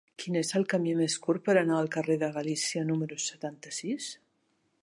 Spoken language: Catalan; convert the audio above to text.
Quin és el camí més curt per anar al carrer de Galícia número setanta-sis?